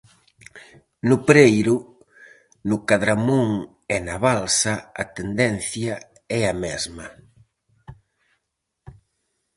No Pereiro, no Cadramón e na Balsa, a tendencia é a mesma.